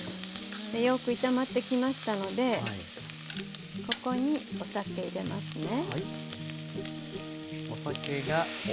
よく炒まってきましたのでここにお酒入れますね。